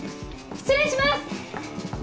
失礼します！